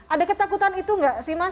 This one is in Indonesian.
ada ketakutan itu nggak sih mas